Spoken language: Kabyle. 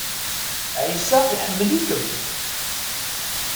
Ɛisa iḥemmel-ikem.